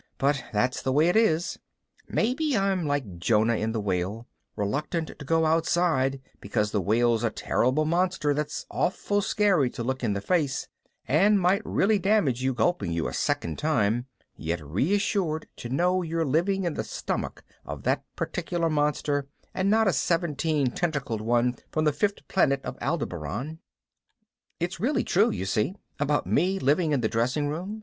But that's the way it is. Maybe I'm like Jonah in the whale, reluctant to go outside because the whale's a terrible monster that's awful scary to look in the face and might really damage you gulping you a second time, yet reassured to know you're living in the stomach of that particular monster and not a seventeen tentacled one from the fifth planet of Aldebaran. It's really true, you see, about me actually living in the dressing room.